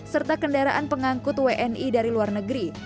serta kendaraan pengangkut wni dari luar negeri